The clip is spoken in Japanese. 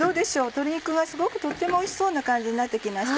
鶏肉はすごくとてもおいしそうな感じになって来ました。